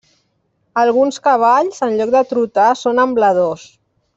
Alguns cavalls, en lloc de trotar, són ambladors.